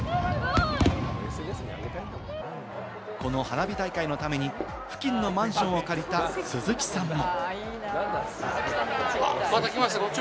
この花火大会のために付近のマンションを借りた鈴木さんも。